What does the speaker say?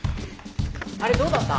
あれどうだった？